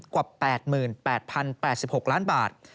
กว่า๘๘๐๘๖ล้านบาท